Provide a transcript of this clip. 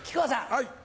はい。